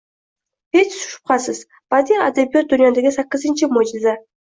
Hech shubhasiz, badiiy adabiyot-dunyodagi sakkizinchi mo’jiza!